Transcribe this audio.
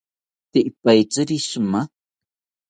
Tee ipaitziri shima